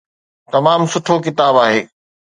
تمام سٺو ڪتاب آهي.